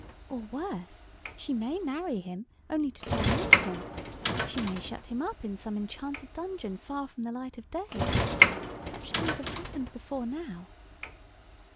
Or, worse, she may marry him only to torment him. She may shut him up in some enchanted dungeon far from the light of day. Such things have happened before now."